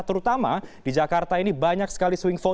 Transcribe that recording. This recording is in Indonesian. terutama di jakarta ini banyak sekali